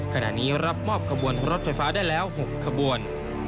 ขณะนี้รับมอบขบวนรถไฟฟ้าได้แล้ว๖ขบวน